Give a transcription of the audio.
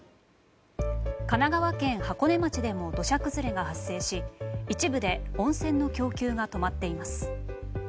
神奈川県箱根町でも土砂崩れが発生し一部で温泉の供給が止まっています。